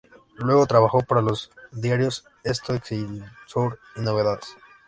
Luego trabajó para los diarios "Esto", "Excelsior" y "Novedades".